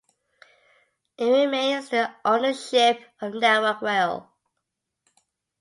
It remains under the ownership of Network Rail.